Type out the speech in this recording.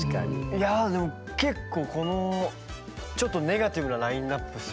いやでも結構このちょっとネガティブなラインナップっすよね。